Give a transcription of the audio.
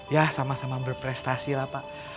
ya sama sama berprestasi lah pak